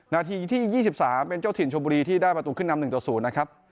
นาทีที่๒๓เป็นเจ้าถิ่นชมบุรีที่ได้ประตูขึ้นนำ๑ต่อ๐นะครับ